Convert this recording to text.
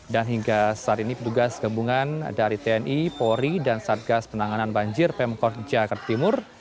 dan hingga saat ini petugas gembungan dari tni pori dan satgas penanganan banjir pemkot jakarta timur